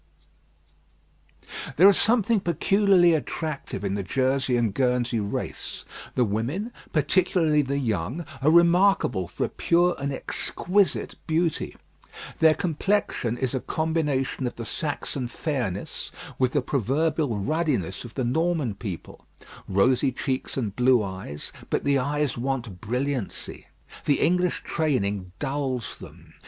There is something peculiarly attractive in the Jersey and Guernsey race. The women, particularly the young, are remarkable for a pure and exquisite beauty. Their complexion is a combination of the Saxon fairness, with the proverbial ruddiness of the Norman people rosy cheeks and blue eyes; but the eyes want brilliancy. The English training dulls them.